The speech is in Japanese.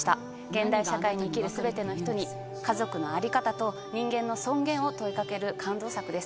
現代社会に生きる全ての人に家族の在り方と人間の尊厳を問いかける感動作です。